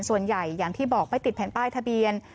อย่างที่บอกไม่ติดแผ่นป้ายทะเบียน